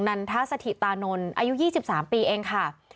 นันทสถิตานนท์อายุ๒๓ปีเองค่ะ